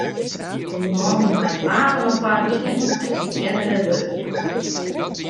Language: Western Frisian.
De man wie mei it wapen op paad gien nei syn eardere wurkjouwer.